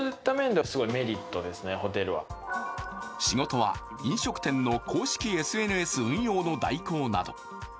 仕事は飲食店の公式ＳＮＳ運用の代行など。